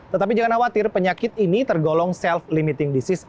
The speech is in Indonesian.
tetapi jangan khawatir penyakit ini tergolong self limiting disease